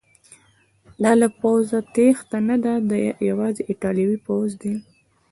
دا له پوځه تیښته نه ده، دا یوازې ایټالوي پوځ دی.